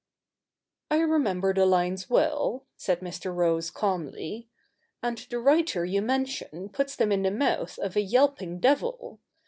'' I remember the lines well,' said Mr. Rose calmly, ' and the writer you mention puts them in the mouth of a yelping devil.